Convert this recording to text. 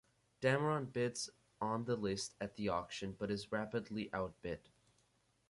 Dameron bids on the list at the auction but is rapidly outbid.